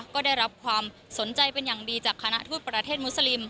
ก็ได้รับความสนใจเป็นอย่างดีจากคณะทูตประเทศมุสลิม